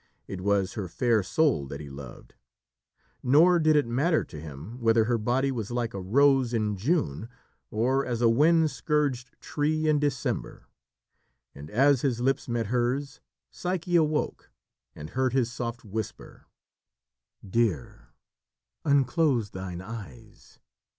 It was her fair soul that he loved, nor did it matter to him whether her body was like a rose in June or as a wind scourged tree in December. And as his lips met hers, Psyche awoke, and heard his soft whisper: "Dear, unclose thine eyes.